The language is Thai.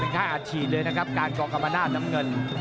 ค่าอาจฉีดเลยนะครับการกองกรรมนาศน้ำเงิน